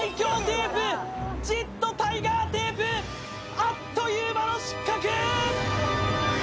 テープジットタイガーテープあっという間の失格！